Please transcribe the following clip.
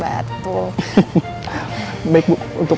baik bu untuk pesannya tunggu ya bu ya